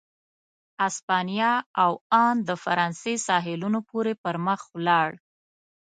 اسپانیا او ان د فرانسې ساحلونو پورې پر مخ ولاړ.